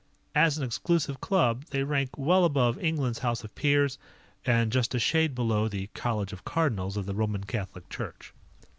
As an exclusive club, they rank well above England's House of Peers and just a shade below the College of Cardinals of the Roman Catholic Church.